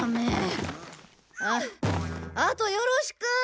あとよろしく！